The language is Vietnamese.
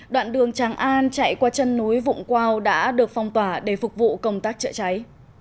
đoạn đường tràng an chạy qua chân núi vụng quao đã được phong tỏa để phục vụ công tác chữa cháy